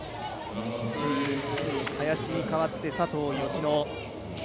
林に代わって佐藤淑乃。